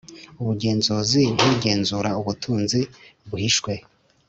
ubugenzura nk’ugenzura ubutunzi buhishwe,